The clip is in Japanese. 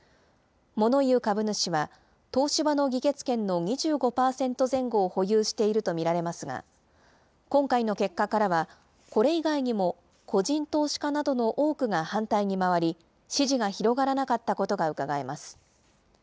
モノ言う株主は、東芝の議決権の２５％前後を保有していると見られますが、今回の結果からは、これ以外にも、個人投資家などの多くが反対に回り、支持が広がらなかったことがうかがえます。